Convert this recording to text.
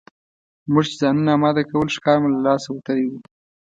موږ چې ځانونه اماده کول ښکار مو له لاسه وتلی وو.